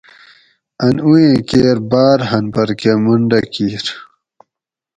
ان اویئں کیر باۤر ھن پھر کہ منڈہ کِیر